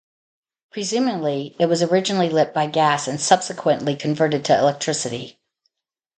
Presumably it was originally lit by gas and subsequently converted to electricity.